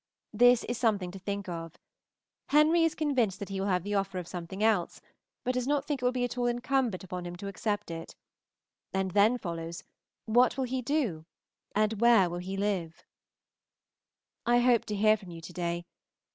This is something to think of. Henry is convinced that he will have the offer of something else, but does not think it will be at all incumbent on him to accept it; and then follows, what will he do? and where will he live? I hope to hear from you to day.